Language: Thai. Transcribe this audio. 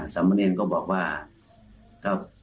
สำเนียนก็บอกว่า